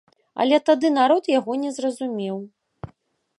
Але тады народ яго не зразумеў.